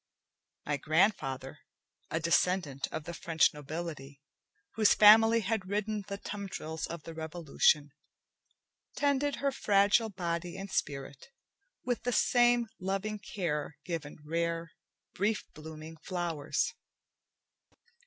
My grandfather, a descendant of the French nobility whose family had ridden the tumbrils of the Revolution, tended her fragile body and spirit with the same loving care given rare, brief blooming flowers.